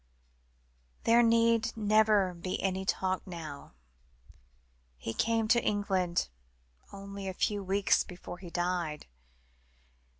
"There need never be any talk now. He came to England only a few weeks before he died.